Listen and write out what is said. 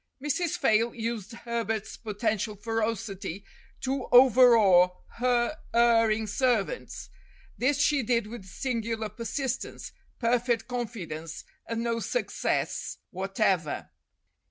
Mrs. Fayle used Herbert's potential ferocity to over awe her erring servants. This she did with singular persistence, perfect confidence, and no success what ever.